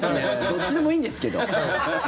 どっちでもいいんですけど！